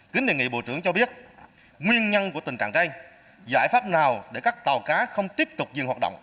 kính đề nghị bộ trưởng cho biết nguyên nhân của tình trạng đây giải pháp nào để các tàu cá không tiếp tục dừng hoạt động